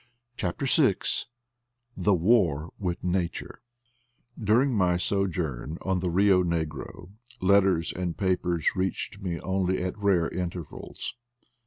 CHAPTER VI THE WAR WITH NATURE DURING my sojourn on the Rio Negro letters and papers reached me only at rare inter vals.